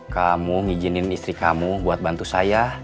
kamu ngijinin istri kamu buat bantu saya